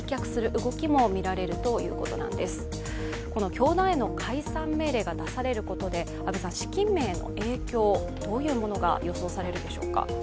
教団への解散命令が出されることで、資金面への影響、どういうものが予想されるでしょうか。